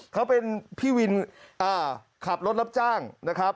เขาเป็นพี่วินขับรถรับจ้างนะครับ